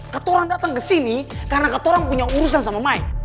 kateruang datang kesini karena kateruang punya urusan sama mike